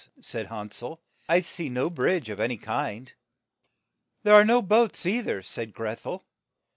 said Han sel. "I see no bridge of any kind. There are no boats, ei ther," said Greth el.